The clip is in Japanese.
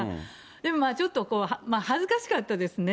でもまあ、ちょっと恥ずかしかったですね。